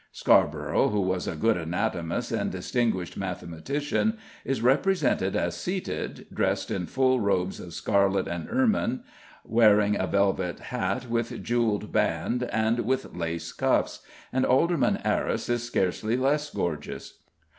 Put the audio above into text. Scarborough, who was a good anatomist and distinguished mathematician, is represented as seated, dressed in full robes of scarlet and ermine, wearing a velvet hat with jewelled band and with lace cuffs, and Alderman Arris is scarcely less gorgeous.